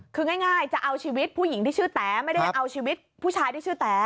คือง่ายจะเอาชีวิตผู้หญิงที่ชื่อแต๋ไม่ได้เอาชีวิตผู้ชายที่ชื่อแต๋